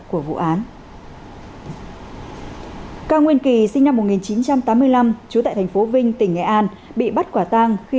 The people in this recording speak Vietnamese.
của vụ án cao nguyên kỳ sinh năm một nghìn chín trăm tám mươi năm trú tại thành phố vinh tỉnh nghệ an bị bắt quả tang khi